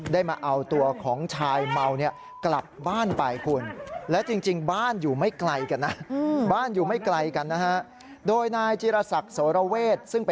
ได้มาเอาตัวของชายเมาเนี่ยกลับบ้านไปคุณ